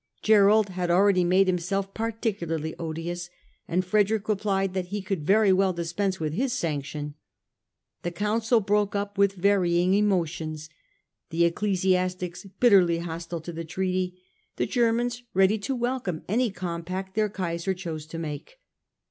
Gerold had already made himself particularly odious, and Frederick replied that he could very well dispense with his sanction. The Council broke up with varying emotions, the ecclesiastics bitterly hostile to the treaty, the Germans ready to welcome any compact their Kaiser chose to make.